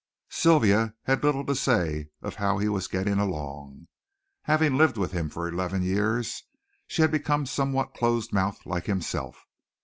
Sylvia had little to say of how he was getting along. Having lived with him for eleven years, she had become somewhat close mouthed like himself.